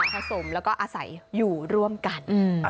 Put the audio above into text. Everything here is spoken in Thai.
ผสมแล้วก็อาศัยอยู่ร่วมกัน